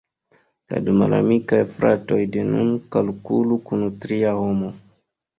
La du malamikaj fratoj de nun kalkulu kun tria homo.